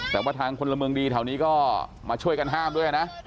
แต่ว่าทางพลเมืองดีแถวนี้ก็มาช่วยกันห้ามด้วยนะ